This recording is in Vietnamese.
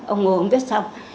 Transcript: ông ngồi ông viết xong